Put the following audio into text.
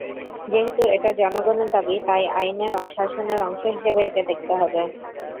যেহেতু এটা জনগণের দাবি, তাই আইনের শাসনের অংশ হিসেবেই একে দেখতে হবে।